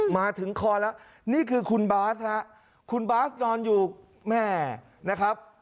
มาถึงคอแล้วนี่คือคุณบาสฮะคุณบาสนอนอยู่แม่นะครับ